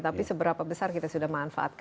tapi seberapa besar kita sudah manfaatkan